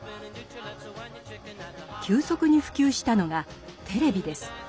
急速に普及したのがテレビです。